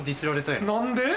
何で？